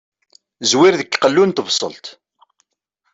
Zwir deg qellu n tebṣelt.